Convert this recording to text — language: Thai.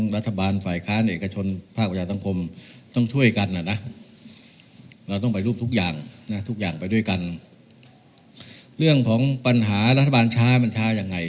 เราต้องไปรูปทุกอย่างทุกอย่างไปด้วยกันเรื่องของปัญหารัฐบาลช้ามันช้ายังไง